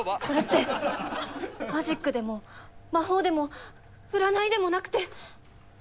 これってマジックでも魔法でも占いでもなくて。